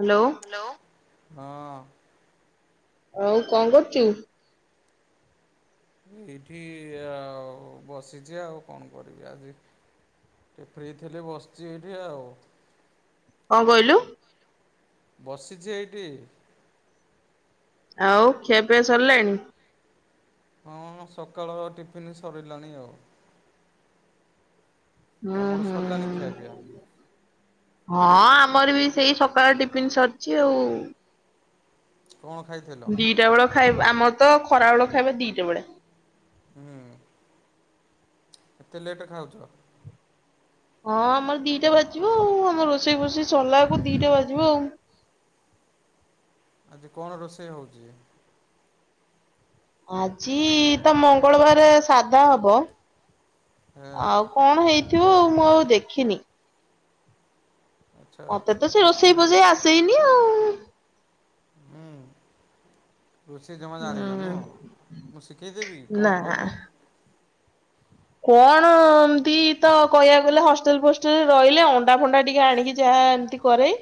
Hello. Hello. ହଁ। ଆଉ କଁ କରୁଚୁ? ଏଇଠି ଆଉ ବସିଚି ଆଉ କଣ କରିବି ଆଜି ଏ ଫ୍ରି ଥିଲି ବସିଚି ଏଇଠି ଆଉ। କଁ କଇଲୁ? ବସିଚି ହେଇଟି। ଆଉ ଖିଆ ପିଆ ସରଲାଣି? ହଁ ସକାଳ ଟିଫିନ୍ ସରିଲାଣି ଆଉ। ହୁଁ ତମର ସରିଲାଣି ହୁଁ। ଖିଆପିଆ ହଁ ଆମର ବି ସେଇ ସକାଳ ଟିପିନ୍ ସରଚି ଆଉ। କଣ ଖାଇଥିଲ ଦିଟା ବେଳ ଖାଇବ୍ ଆମର ତ ଖରା ବେଳ ଖାଇବା ଦିଟା ବେଳେ। ହୁଁ। ଏତେ ଲେଟ୍ ରେ ଖାଉଚ। ହଁ ଆମର ଦିଟା ବାଜିବ ଆଉ ଆମର ରୋଷେଇ ଫୋଷେଇ ସରଲା କୁ ଦିଟା ବାଜିବ ଆଉ। ଆଜି କଣ ରୋଷେଇ ହଉଚି? ଆଜି ତ ମଙ୍ଗଳବାରେ ସାଧା ହବ। ହେ ଆଉ କଣ ହେଇଥିବ ଆଉ ମୁଁ ଆଉ ଦେଖିନି। ଆଚ୍ଛା ମତେ ଆଚ୍ଛା ତ ସେ ଦେଖିନ ରୋଷେଇ ପୋସେଇ ଆସେଇନି ଆଉ। ହୁଁ ରୋଷେଇ ଜମା ହୁଁ ଜାଣିନ ନୁହଁ ମୁଁ ଶିକେଇ ଦେବି କଣ ନା। କହୁନ। କଣ ଏମତି ତ କହିଆକୁ ଗଲେ ହଷ୍ଟେଲ୍ ଫୋଷ୍ଟେଲ୍ ରହିଲେ ଅଣ୍ଡା ଫଣ୍ଡା ଟିକେ ଆଣିକି ଯାହା ଆ ଏମିତି କରେଇ।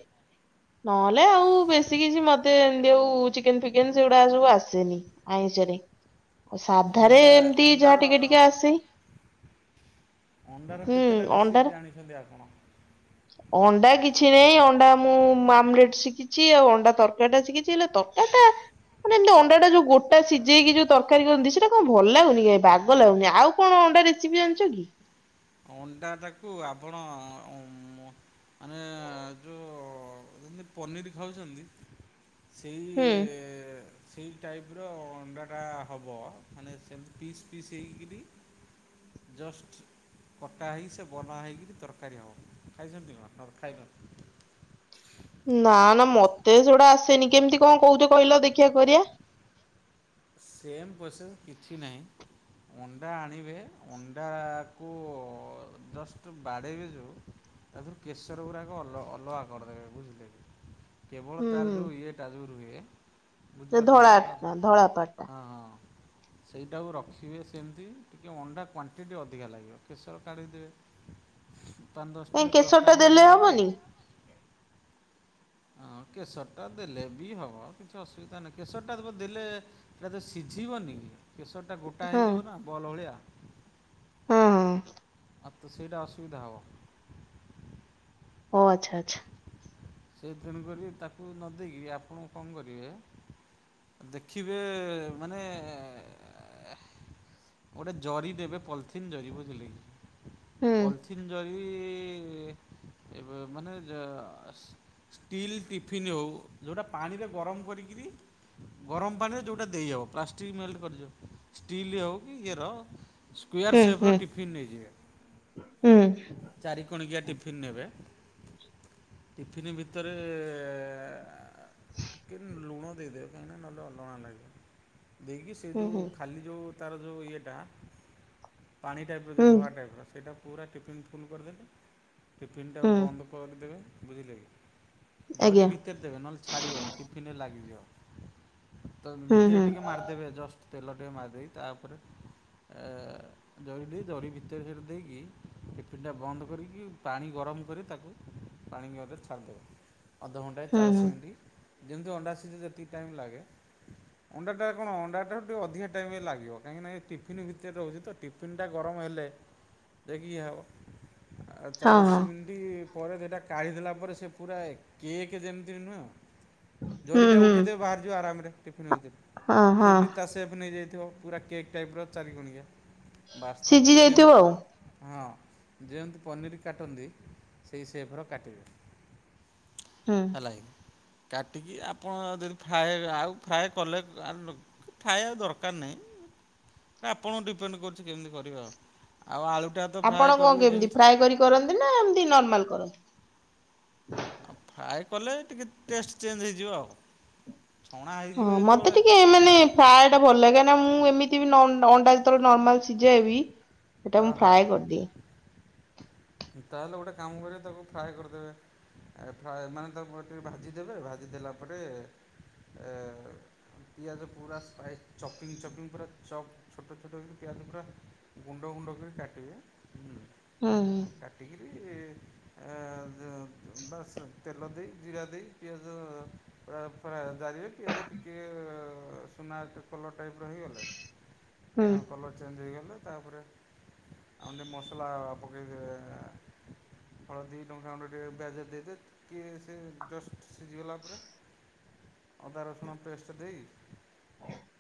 ନହେଲେ ଆଉ ବେଶୀ କିଛି ମତେ ଏମିତି ଅଉ ଚିକେନ୍ ଫିକେନ୍ ସେଉଡ଼ା ସବୁ ଆସେନି। ଚାରେ ଆଉ ସାଧାରେ ଅଣ୍ଡା ଏମତି ଅଣ୍ଡାର ଯାହା ଟିକେ ଟିକେ ଆସେଇ। ଅଣ୍ଡାର କେତେଟା ରେସିପି ଜାଣିଛନ୍ତି ଆପଣ? ଅଣ୍ଡା କିଛି ନାଇଁ ଅଣ୍ଡା ମୁଁ ମାମ୍ ମ୍ଲେଟ୍ ଶିକିଚି ଆଉ ଅଣ୍ଡା ତରକାରୀଟା ଶିକିଚି ହେଲେ ତରକାରୀଟା ମାନେ ଏମିତି ଅଣ୍ଡାଟା ଯୋଉ ଗୋଟା ସିଜେଇକି ଯୋଉ ତରକାରୀ କରନ୍ତି ସେଟା କଁ ଭଲ ଲାଗୁନି କାଇଁ ବାଗ ଲାଗୁନି ଆଉ କଣ ଅଟା ରେସିପି ଜଣିଚ କି? ଅଣ୍ଡା ତାକୁ ଆପଣ ଅ ମ ଆମେ ଯୋଉ ଯେମିତି ପନିର୍ ଖାଉଛନ୍ତି ସେଇ ହୁଁ। ସେଇ ଟାଇପ୍ ର ଅଣ୍ଡାଟା ହବ ମାନେ ସେମିତି ପିସ୍ ପିସ୍ ହେଇକିରି ଜଷ୍ଟ୍ କଟା ହେଇ ସେ ବନା ହେଇକିରି ତରକାରୀ ହବ। ଖାଇଛନ୍ତି ମା ହଁ ନହେଲେ ଖାଇନଥିବେ। ନାଁ ନାଁ ମତେ ସେଉଡ଼ା ଆସେନି କେମତି କଁ କୋହୁଚ କହିଲ ଦେଖିଆ କରିଆ। ସେମ୍ ପୋସେସ୍ କିଛି ନାହିଁ। ଅଣ୍ଡା ଆଣିବେ ଅଣ୍ଡାକୁ ଜଷ୍ଟ୍ ବାଡ଼େଇବେ ଯୋଉ ତାଧୁରୁ କେଶର ଗୁୁରାକ ଅଲ ଅଲଗା କରିଦେବେ ଦେବେ ବୁଝିଲେ କି? କେବଳ ହୁଁ ତାର ହୁଁ। ଯୋଉ ଇଏଟା ଯୋଉ ରୁହେ ସେ ବୁଝିପାରଲେ ଧଳା ହେନ ଦା ଟା ଧଳା ପାଟ ଟା ହଁ। ସେଇଟାକୁ ରଖିବେ ସେମତି ଟିକେ ଅଣ୍ଡା କ୍ଵାଣ୍ଟିଟି ଅଧିକା ଲାଗିବ କେଶର କାଢ଼ିଦେବେ। ପାଁ କାଇଁ ଦଶଟି କେଶର ଦଶଟା ଟା ଖଣ୍ଡେ ଦେଲେ ନେଇ ଆଇଲେ ହବନି ହଁ। କେଶରଟା ଦେଲେ ବି ହବ କିଛି ଅସୁବିଧା ନାହିଁ କେଶରଟା ତ ପ ଦେଲେ ସେଟା ତ ସିଝିବନି। କେଶରଟା ଗୋଟା ହଁ ହେଯ ନାଁ ବଲ୍ ଭଳିଆ। ହଁ ହଁ। ଆ ତୁ ସେଇଟା ଅସୁବିଧା ହବ। ଓ ଆଚ୍ଛା ଆଚ୍ଛା। ସେ ତେଣୁ କରି ତାକୁ ନ ଦେଇକି ଆପଣୁ କଁ କରିବେ ଦେଖିବେ ମାନେ ହେ ଗୋଟେ ଜରି ଦେବେ ପଲିଥିନ୍ ଜରି ବୁଝିଲେ କି ହୁଁ ପଲିଥନ୍ ଜରି ଏବେ ମାନେ ଜ ଷ୍ଟିଲ୍ ଟିଫିନ୍ ହେଉ ଯେଉଁଟା ପାଣିରେ ଗରମ କରିକରି ଗରମ ପାଣିରେ ଯଉଟା ଦେଇହବ ପ୍ଲାଷ୍ଟିକ ମେଲ୍ଟ କରିିବ ଷ୍ଟିଲ ହଉ କି ଇଏର ସ୍କୟାର ହୁଁ ସେପ ହୁଁ ର ଟିଫିନ୍ ନେଇଯିବେ ହୁଁ ଚାରି କଣିକିଆ ଟିଫିନ୍ ନେବେ ଫିନି ଭିତରେ ଟିକେ ଲୁଣ ଦେଇଦେବ କାହିଁକି ନା ନହେଲେ ଅଲଣା ଲାଗିବ ଦେଇକି ସେ ହୁଁ ଯେଉଁ ହୁଁ ଖାଲି ଯେଉଁ ତାର ଯେଉଁ ଇଏଟା ପାଣି ଟାଇପ ର ଯେଉଁ ହୁଁ ଧଳା ଟାଇପ ସେଇଟା ପୁରା ଟିଫିନ୍ ଫୁଲ୍ କରିଦେଲି ଟିଫିନ୍ ଟା ହୁଁ। ବନ୍ଦ କରିଦେବେ ବୁଝିଲେ କି ଜରି ଆଜ୍ଞା ଭିତରେ ଦେବେ ନହେଲେ ଛାଡିବନି ଟିଫିନ ରେ ଲାଗି ଯିବ ତ ହୁଁ ଭିତରେ ହୁଁ ଟିକେ ମାରିଦେବେ ଜଷ୍ଟ ତେଲ ଟିକେ ମାରିଦେ ତାପରେ ଏ ଜରି ଦେଇ ଜରି ଭିତରେ ସେଟା ଦେଇକି ତି ଫିନ ଟା ବନ୍ଦ କରିକି ପାଣି ଗରମ ଗରମ କରି ତାକୁ ପାଣିଇ ଏ ରେ ଛାଡ଼ିଦେବା ଅଧଘଣ୍ଟାଏ ହୁଁ ଚାଳିଶ ହୁଁ ମିନିଟ୍ ଯେମିତି ଅଣ୍ଡା ସିଜିରେ ଯେତିକି ଟାଇମ୍ ଲାଗେ ଅଣ୍ଡା ଟା କଣ ଅଣ୍ଡା ଟା ଟିକ ଅଧିକ ଟାଇମ ରେ ଲାଗିବ କାହିଁକିନା ଏ ଟିଫିନ ଭିତରେ ରହୁଛି ଟିଫନ୍ ଟା ଗରମ ହେ ଦେ ଦେଖି ହେବ। ଆଉ ହଁ ହଁ ଚାଳିଶ ମିନିଟ୍ ପରେ ସେଟା କାଢିଦେଲା ପରେ ସେ ପୁରା କେକ୍ ଯେମିତି ନୁହେଁ ହୁଁ ଜରିଟା ହୁଁ ଉଠେଇଦେବେ ବାହାରିଯିବ ଆରାମରେ ଫିଉ ହଁ ହଁ। ସେ ବି ତା ସେପ ନେଇଯାଇଥିବ ପୁରା କେକ୍ ଟାଇପ୍ ଚାରି କଣିକଆ ସିଝି ବାସ୍ତାକୁ ଯାଇଥିବ ଯେମିତି ଆଉ ହଁ ଯେମିତି ପନିର କାଟନ୍ତି ସେହି ସେପ ର କାଟିବେ ହୁଁ ହେଲାକି କାଟିକି ଆପଣ ଯଦି ଫ୍ରାଏ ଆଉ ଫ୍ରାଏ କଲେ ଖାଇବା ଦରକାର ନାହିଁ ଆପଣଙ୍କୁ ଡିପେଣ୍ଡ କରୁଛି କେମିତି କରିବା ଆପଣ କଣ କେମତି ଫ୍ରାଏ କରି କରନ୍ତି ନା ଏମତି ନର୍ମାଲ କରନ୍ତି? ଆଉ ଫ୍ରାଏ କଲେ ଟିକେ ଟେଷ୍ଟ ଚେଞ୍ଜ ହେଇଯିବ ଆଉ ଛଣା ହେଇଯିବ ହଁ ମତେ ଟିକେ ଯେତେବେଳେ ମାନେ ପ୍ରାୟ ଟା ଭଲ ଲାଗନି ନାଁ ମୁଁ ଏମିତି ବି ନଅ ଅଣ୍ଡା ଯେତେବେଳେ ନର୍ମାଲ ସିଝେଇବି ସେଟା ମୁଁ ହଁ ହଁ ଫ୍ରାଏ କରିଦିଏ। ତାହେଲେ ଗୋଟେ କାମ କରିବ ତାକୁ ଫ୍ରାଏ କରିଦେବେ ଫ୍ରାଏ ମାନେ ତାକୁ ଟିକେ ଭାଜିଦେବେ ଭାଜି ଦେଲା ପରେ ଏ ପିଆଜ ପୁରା ସ୍ପାଇସ୍ ଚପିଙ୍ଗ ଚପିଙ୍ଗ ପୁରା ଚପ୍ ଛୋଟ ଛୋଟ ପିଆଜ ପୁରା ଗୁଣ୍ଡ ଗୁଣ୍ଡ କରି କାଟିବେ ହୁଁ କାଟିକିରି ଆ ବସ ତେଲ ଦେଇ ଜିରା ଦେଇ ପିଆଜ ଜାରିବେ ପିଆଜ ଟିକେ ସୁନା କଲର ଟାଇପ ର ହେଇଗଲେ ହୁଁ ହଁ କଲର୍ ଚେଞ୍ଜ ହେଇ ତାପରେ ଆଉଣ୍ଡ ମସଲା ପକେଇ ଦେବେ ହଳଦୀ ଲଙ୍କା ଗୁଣ୍ଡ ଟିକେ ପିଆଜ ଦେଇଦେବ ଟିକେ ସେ ଜଷ୍ଟ ସିଝିଗଲା ପରେ ଅଦା ରସୁଣ ପେଷ୍ଟ ଦେଇ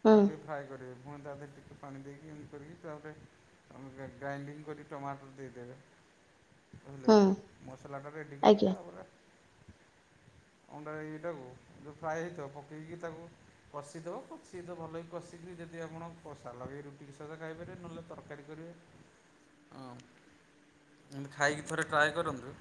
ହୁଁ ଆଉ ଟିକେ ଫ୍ରାଏ କରିବେ ପୁଣି ତା ଧୀଅରେ ପାଣି ଦେଇକି ଏମିତି କରିକି ତାପରେ ଗ୍ରା ଗ୍ରାଇଣ୍ଡିଙ୍ଗ କରି ଟମାଟର ଦେଇଦେବେ ବୁଝିଲେ ହୁଁ କି ମସଲାଟା ରେଡି କଲେ ଆଜ୍ଞା। ତାପରେ ଅଣ୍ଡା ଇଟାକୁ ଯଉ ଫ୍ରାଏ ହେଇଥିବ ପକେଇକି ତାକୁ କଷିଦବ କଷି ତ ଭଲ ବିି କଷିକି ଯଦି ଆପଣ କସା ଲଗେଇକି ରୁଟି ସଜା ଖାଇପାରିବେ ନ ହେଲେ ତରକାରୀ କରିବେ ଅ ଏମିତି ଖାଇକି ଥରେ ଟ୍ରାଏ କରନ୍ତୁ।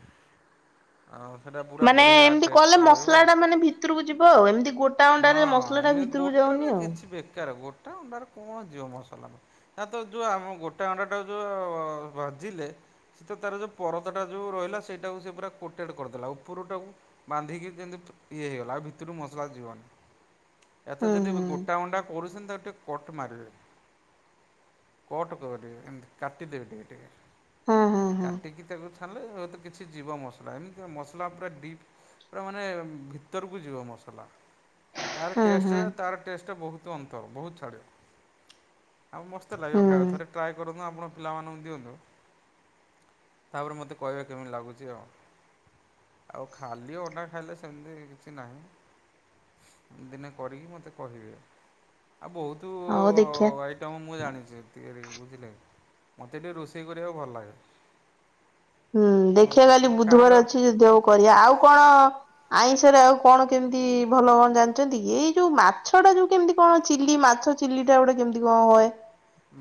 ଆଉ ସେଇଟା ପୁରା ମାନେ ବଢ଼ିଆ ଏମତି ଟେଷ୍ଟ କଲେ ରହିବ। ମସଲା ଟା ମାନେ ଭିତରକୁ ଯିବ ଆଉ ଏମିତି ଗୋଟା ହଁ ଅଣ୍ଡାରେ ହଁ ମସଲା ଟା ଭିତ ଏମିତି ଗୋଟାରେ କିଛି ବେକାର ଗୋଟା ଅଣ୍ଡାରେ କଣ ଯିବ ମସଲା ମ ତା ତ ଯୋଉ ଆମ ଗୋଟେ ଅଣ୍ଡାଟା ଯୋଉ ଭାଜିଲେ ସେ ତ ତାର ଯୋଉ ପରଦାଟା ଯୋଉ ରହିଲା ସେଇଟାକୁ ସେ ପୁରା କୋଟେଡ କରିଦେଲା ଉପରୁଟାକୁ ବାନ୍ଧିକି କେମିତି ଇଏ ହେଇଗଲା ଆଉ ଭିତରୁ ମସଲା ଯିବନି। ଏ ତ ହୁଁ ଯଦି ହୁଁ ଗୋଟା ଅଣ୍ଡା କରୁଛନ୍ତି ତାକୁ ଟିକେ କଟ ମାରିବେ। କଟ କରିବେ ଏମିତି କାଟିଦେବି ଟିକେ ହଁ ହଁ ଟିକେ ହଁ କାଟିକି ତାକୁ ଛାଡ଼ିଲେ ହୁଏତ କିଛି ଯିବ ମସଲା ଏମିତି ମସଲା ପୁରା ଡିପ୍ ପୁରା ମାନେ ଭିତରକୁ ଯିବ ମସଲା। ତାର ହଁ ଟେଷ୍ଟ ହଁ ଟା ତାର ଟେଷ୍ଟ ବହୁତ ଅନ୍ତର ବହୁତ ଛାଡେ। ଆଉ ମସ୍ତ ଲାଗିବ ହୁଁ ଖାଇବା ଥରେ ଟ୍ରାଏ କରନ୍ତୁ ଆପଣ ପିଲାମାନଙ୍କୁ ଦିଅନ୍ତୁ। ତାପରେ ମୋତେ କହିବା କେମିତି ଲାଗୁଛି ଆଉ। ଆଉ ଖାଲି ଅଣ୍ଡା ଖାଇଲେ ସେମିତି କିଛି ନାହିଁ। ଦିନେ କରିକି ମତେ କହିବେ ଆଉ ବହୁତୁ ହଉ ଦେଖିଆ ଆଇ ମୁଁ ଜାଣିଛି ତିଆରି ବୁଝିଲେ ମତେ ଟିକେ ରୋଷେଇ କରିବାକୁ ଭଲ ଲାଗେ। ହୁଁ ଦେଖିବା କାଲି ବୁଧବାର କାହାର ଅଛି ଯଦି ହବ୍ କରିବା ଆଉ କଣ ଆଇଁଷରେ ଆଉ କଣ କେମିତି ଭଲ କଣ ଜାଣିଛନ୍ତି ଏଇ ଯୋଉ ମାଛ ଟା ଯୋଉ କେମିତି କଣ ଚିଲି ମାଛ କ ଚିଲି ଟା ଗୋଟେ କେମିତି କ ହୁଏ।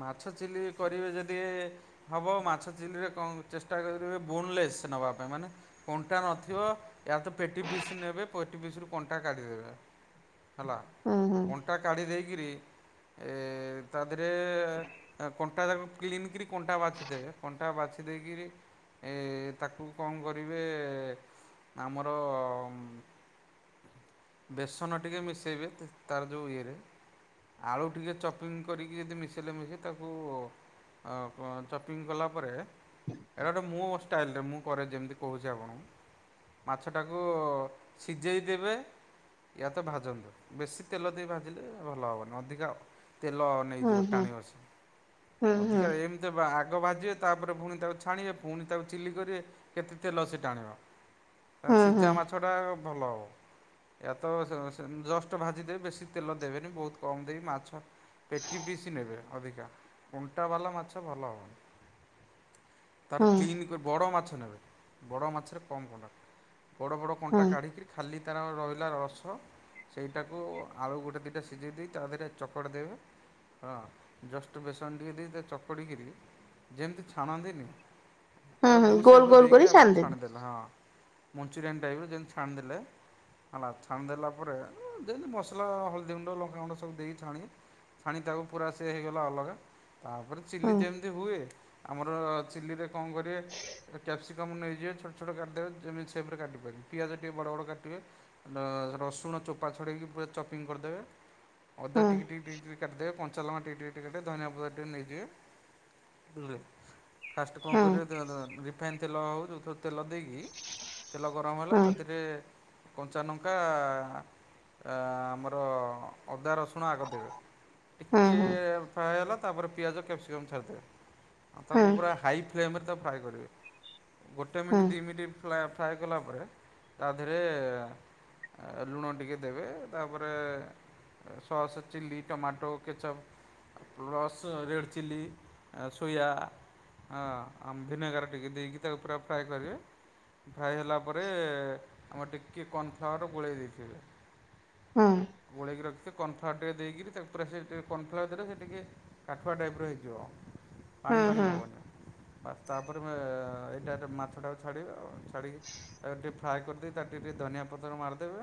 ମାଛ ଚିଲି କରିବେ ଯଦି ହବ ମାଛ ଚିଲିରେ କଣ ଚେଷ୍ଟା କରିବେ ବୋନଲେସ୍ ନେବା ପାଇଁ ମାନେ କଣ୍ଟା ନଥିବ ୟାର ତ ପେଟି ପିସ୍ ନେବେ ପେଟି ପିସ୍ ରୁ କଣ୍ଟା କାଢିଦେବେ। ହେଲା ହୁଁ ହୁଁ କଣ୍ଟା କାଢ଼ି ଦେଇକିରି ଏ ତା ଧିରେ ଏ କଣ୍ଟା ଯାକ କ୍ଲିନକିରି କଣ୍ଟା ବାଛି ଦେବେ କଣ୍ଟା ବାଛି ଦେଇକିରି ଏ ତାକୁ କଣ କରିବେ ଆମର ବେସନ ଟିକେ ମିଶାଇବେ ତା ତାର ଯୋଉ ଇଏରେ। ଆଳୁ ଟିକେ ଚପିଙ୍ଗ କରିକି ଯଦି ମିସ୍ ଇଲେ ବି ତାକୁ ଆ ବ ଚପିଙ୍ଗ କଲା ପରେ ଏଇଟା ଗୋଟେ ମୋ ଷ୍ଟାଇଲରେ ମୁଁ କରେ ଯେମିତି କହୁଛି ଆପଣଙ୍କୁ। ମାଛଟାକୁ ଉ ସିଝେଇ ଦେବେ। ୟା ତ ଭାଜନ୍ତୁ ବେଶି ତେଲ ଦେଇ ଭାଜିଲେ ଭଲ ହବନି ଅଧିକା ଆଉ। ତେଲ ନେଇଯିବ ହୁଁ ଟାଣିବସି ହୁଁ ଅଧିକା ଏମିତି ବାହା ଆଗ ଭାଜିବେ ତାପରେ ପୁଣି ତାକୁ ଛାଣିବେ ପୁଣି ତାକୁ ଚିଲି କରିବେ କେତେ ତେଲ ସିଏ ଟାଣିବ। ହୁଁ ହୁଁ ସିଝା ମାଛ ଟା ଭଲ ହବ। ଏୟ ତ ସ ସ ଜଷ୍ଟ ଭାଜିଦବେ ବେଶୀ ତେଲ ଦେବେନି ବହୁତ କମ ଦେଇକି ମାଛ ପେଟି ପିସ୍ ନେବେ ଅଧିକା ଉଣ୍ଟା ବାଲା ମାଛ ଭଲ ହବନି। ତାର ହୁଁ ହୁଁ ହୁଁ କ୍ଲିନ୍ କି ବଡ଼ ମାଛ ନେବେ ବଡ଼ ମାଛରେ କମ୍ କଣ୍ଟା। ବଡ଼ ବଡ଼ କଣ୍ଟା ହୁଁ କାଢିକି ଖାଲି ତାର ରହିଲା ରସ ସେଇଟାକୁ ଆଳୁ ଗୋଟେ ଦିଇଟା ସିଝେଇ ଦେଇ ତା ଦେହରେ ଚକଟି ଦେବେ। ହଁ ଜଷ୍ଟ ବେସନ ଟିକେ ଦେଇଦେ ଚକଟିକିରି ଯେମିତି ଛାଣନ୍ତିନି ହୁଁ ତାକୁ ହୁଁ ଯୋଉ ଗୋଲ ସେଫ୍ ଗୋଲ ଦେଇକି କରି ଆପଣ ଛାଣିଦେବି ଛାଣିଦେଲେ ହଁ ମଞ୍ଚୁରିଆନ୍ ଟାଇପ ଯେମିତି ଛାଣିଦେଲେ ହେଲା ଛାଣିଦେଲା ପରେ ଯେମିତି ମସଲା ହଳଦୀ ଗୁଣ୍ଡ ଲଙ୍କାଗୁଣ୍ଡ ସବୁ ଦେଇ ଛାଣି ପୁଣି ତାକୁ ପୁରା ସେ ହେଇଗଲା ଅଲଗା ତା ପରେ ଚିଲି ହୁଁ ଯେମିତି ହୁଏ ଆମର ଚିଲିରେ କଣ କରିବେ କ୍ୟାପ୍ସିକମ୍ ନେଇଯିବେ ଛୋଟ ଛୋଟ କାଟିିଦେବେ ଯେମିତି ସେଫ୍ ରେ କାଟିପାରିବେ। ପିଆଜ ଟିକେ ବଡ଼ ବଡ଼ କାଟିବେ ର ରସୁଣ ଚୋପା ଛଡ଼େଇକି ପୁରା ଚପିଙ୍ଗ କରିଦେବେ। ଅଦା ହୁଁ ଟିକ୍ ଟିକ୍ ଟିକ୍ ଦେ କଞ୍ଚାଲଙ୍କା ଟିକେ ଟିକେ ଟିକେ ଧନିଆ ପତ୍ର ଟିକେ ନେଇ ଯିବେ ଫାଷ୍ଟ କଣ ହୁଁ କରିବେ ଧ ଧ ରିଫାଇନ ତେଲ ହଉ ଯୋଉଁ ତେଲ ଦେଇକି ତେଲ ଗରମ ହେଲା ହୁଁ ତାଧୀରେ କଞ୍ଚା ଲଙ୍କା ଆ ଆମର ଅଦା ରସୁଣ ଆଗ ଦେବେ। ହୁଁ ଟିକେ ହୁଁ ହୁଁ ଫ୍ରାଏ ହେଲା ତାପରେ ପିଆଜ କ୍ୟାପ୍ସିକମ୍ ଛାଡ଼ିଦେବେ। ଆଉ ତାକୁ ହୁଁ ପୁରା ହାଇ ଫ୍ଲେମ ରେ ତାକୁ ଫ୍ରାଏ କରିବେ ଗୋଟେ ହୁଁ ହୁଁ ମିନିଟ୍ ଦୁଇ ମିନିଟ୍ ଫ୍ରାଏ ସାଇ କଲା ପରେ ତା ଦେହେରେ ଲୁଣ ଟିକେ ଦେବେ ତାପରେ ସସ୍ ଚିଲି ଟମା ଟୋ କେଚପ ରସ ରେଡ଼ ଚିଲି ଆଉ ସୋୟା ହଁ ଆମ ଭିନେଗାର ଟିକେ ଦେଇକି ତାକୁ ପୁରା ଫ୍ରାଏ କରିବେ। ଫ୍ରାଏ ହେଲା ପରେ ଆମେ ଟିକେ କର୍ଣ୍ନଫ୍ଲାୱାର ଗୋଳେଇ ଦେଇଥିବେ। ଗୋଳେଇକି ରଖିଛି କର୍ନଫ୍ଲାୱାର ଦେଇକିରି ତାକୁ ସେ ଟିକେ କର୍ଣ୍ଫ୍ଲୱାର ଦେରେ ସେ ଟିକେ କାଠୁଆ ଟାଇପ୍ର ହେଇଯିବ। ପାଣି ହୁଁ ହୁଁ ପାାଣି ହବନି ତାପରେ ତ ଏଇଟାରେ ମାଛଟାକୁ ଛାଡ଼ିବ ଆଉ ଛାଡ଼ିକି ଆଉ ଟିକେ ଫ୍ରାଏ କରିଦେଇି ତାର ଟିକେ ଟିକେ ଧନିଆ ପତ୍ର ମିରିଦେବେ।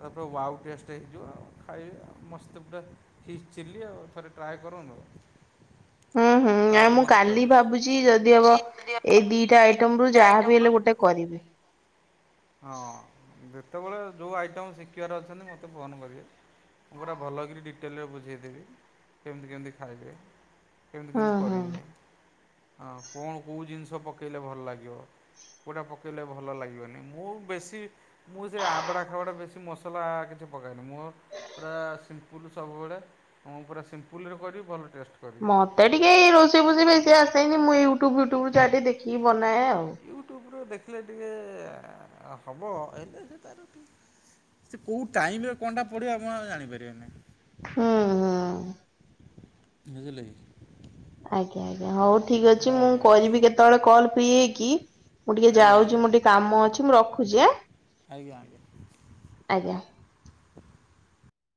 ତାପଉ ୱାଓ ଟେଷ୍ଟ ହେଇଯିବ ଆଉ ଖାଇବେ ଆଉ ମସ୍ତ ପୁରା। ଫିସ୍ ଚିଲ୍ଲି ଆଉ ଥରେ ଟ୍ରାଏ କରୁନ୍ତୁ। [inaudible] ହୁଁ ଆ ମୁଁ କାଲି ଭାବୁଛି ଯଦି ହବ ଏଇ ଦିଟା ଆଇଟମ ରୁ ଯାହାବି ଆଇଟମରୁ ହେଲେ ଗୋଟେ କରିବି। ହଁ ଯେତେବେଳେ ଯୋଉ ଆଇଟମ୍ ଶିଖିବାର ଅଛନ୍ତି ମୋତେ ଫୋନ କରିବେ। ମୁଁ ଗୋଟେ ଭଲକରି ଡିଟେଲରେ ବୁଝେଇଦେବି କେମିତି କେମିତି ଖାଇବେ? କେମିତି ହୁଁ କେମତି ହୁଁ କରିବେ? ହଁ କଣ କୋଉ ଜିନିଷ ପକେଇଲେ ଭଲ ଲାଗିବ କୋଉଟା ପକେଇଲେ ଭଲ ଲାଗିବନି? ମୁଁ ବେଶୀ ମୁଁ ସେ ଆବଡ଼ା ଖାବୁଡ଼ା ବେଶୀ ମସଲା କିଛି ପକାଏନି ମୁ ପୁରା ସିମ୍ପୁଲ ସବୁବେଳେ ମୁଁ ପୁରା ସିମ୍ପୁଲ୍ ରେ କରିବି ଭଲ। ଟେଷ୍ଟ କରିବି ମତେ ଟିକେ ଏ ରୋଷେଇ ଫୋସେଇ ବେଶି ଆସେନ ମୁଁ ୟୁଟ୍ୟୁବ ୟୁଟୁବୁ ଯାହା ଟିକେ ଦେଖିକି ବନା ନାଇ ଆଉ। ୟୁଟ୍ୟୁବ୍ରୁ ଦେଖିଲେ ଟିକେ ହବ [unintelligible] ସେ କୋଉ ଟାଇମ ରେ କଣ ଟା ପଡ଼େ ଆପଣ ଆଉ ଜାଣିପାରିବେନି। ହୁଁ ଉଁ। ବୁଝିଲେକି। ଆଜ୍ଞା ଆଜ୍ଞା ହଉ ଠିକ ଅଛି ହଉ ମୁଁ ହଉ କରିବି କେତେବେଳେ କଲ ଫ୍ରି ହେଇକି। ମୁଁ ଟିକେ ଯାଉଛି ଆଜ୍ଞା ଆଜ୍ଞା ମୋର ଟିକେ କାମ ଅଛି ମୁଁ ରଖୁଛି ଆଁ? ଆଜ୍ଞା ଆଜ୍ଞା ଆଜ୍ଞା।